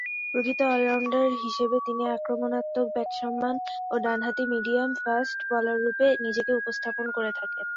প্রকৃত অল-রাউন্ডার হিসেবে তিনি আক্রমণাত্মক ব্যাটসম্যান ও ডানহাতি মিডিয়াম-ফাস্ট বোলাররূপে নিজেকে উপস্থাপন করে থাকেন।